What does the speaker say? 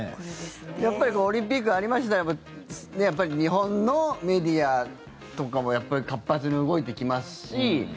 オリンピックありましたらやっぱり日本のメディアとかも活発に動いていきますし